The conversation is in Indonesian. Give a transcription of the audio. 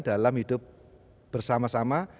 dalam hidup bersama sama